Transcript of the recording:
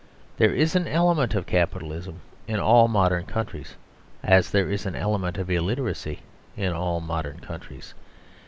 There is an element of Capitalism in all modern countries, as there is an element of illiteracy in all modern countries.